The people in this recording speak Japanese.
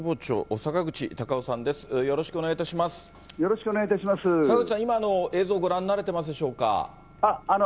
坂口さん、今、映像ご覧になられてますでしょうか。